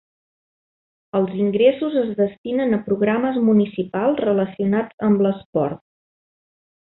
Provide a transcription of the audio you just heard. Els ingressos es destinen a programes municipals relacionats amb l'esport.